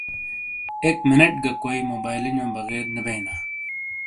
ای منیٹ گہ کوئی سنی موبائیلو نیو بغیر نے بیئینا۔